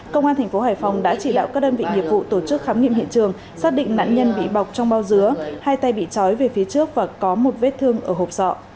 công an thành phố hải phòng đã chỉ đạo các đơn vị nghiệp vụ tổ chức khám nghiệm hiện trường xác định nạn nhân bị bọc trong bao dứa hai tay bị trói về phía trước và có một vết thương ở hộp sọ